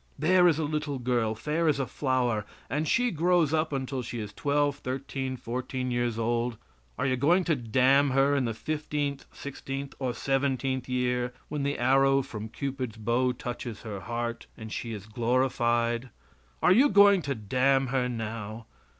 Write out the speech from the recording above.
There is a little girl, fair as a flower, and she grows up until she is twelve, thirteen, or fourteen years old. Are you going to damn her in the fifteenth, sixteenth or seventeenth year, when the arrow from Cupid's bow touches her heart and she is glorified are you going to damn her now?